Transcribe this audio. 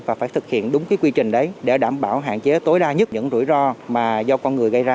và phải thực hiện đúng cái quy trình đấy để đảm bảo hạn chế tối đa nhất những rủi ro mà do con người gây ra